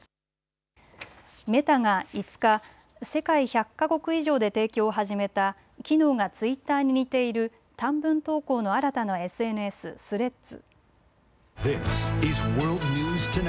メタが５日、世界１００か国以上で提供を始めた機能がツイッターに似ている短文投稿の新たなＳＮＳ、スレッズ。